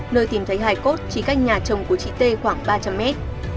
nơi tìm thấy hai cốt chỉ cách nhà chồng của chị t khoảng ba trăm linh mét